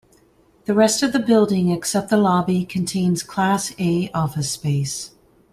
The rest of the building, except the lobby, contains class-A office space.